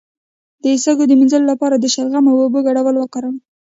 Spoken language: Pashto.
د سږو د مینځلو لپاره د شلغم او اوبو ګډول وکاروئ